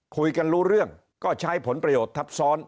คุยกันรู้เรื่องก็ใช้ผลประโยชน์ทับซ้อน